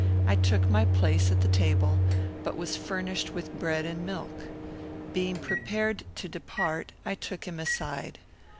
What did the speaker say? I took my place at the table, but was furnished with bread and milk. Being prepared to depart, I took him aside.